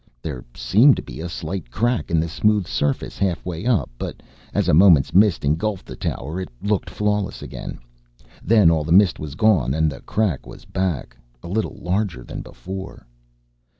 There seemed to be a slight crack in the smooth surface half way up but, as a moment's mist engulfed the tower, it looked flawless again. Then all the mist was gone and the crack was back, a little larger than before.